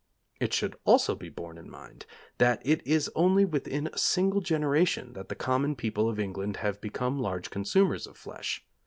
It should also be borne in mind that it is only within a single generation that the common people of England have become large consumers of flesh.